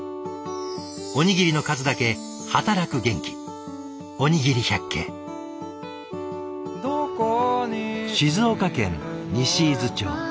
おにぎりの数だけ働く元気静岡県西伊豆町。